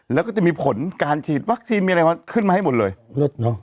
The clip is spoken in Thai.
แล้วก็จะมีผลการฉีดวัคซีนมีอะไรขึ้นมาให้หมดเลยเลิศเนอะ